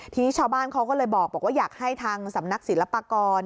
ทีนี้ชาวบ้านเขาก็เลยบอกว่าอยากให้ทางสำนักศิลปากร